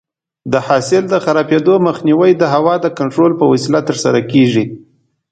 د حاصل د خرابېدو مخنیوی د هوا د کنټرول په وسیله ترسره کېږي.